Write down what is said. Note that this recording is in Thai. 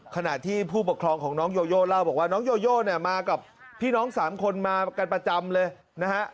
ขณะที่ผู้ปกครองของน้องโยโยเล่าบอกว่าน้องโยโยเนี่ยมากับพี่น้องสามคนมากันประจำเลยนะฮะ